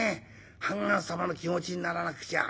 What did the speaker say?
判官様の気持ちにならなくちゃ。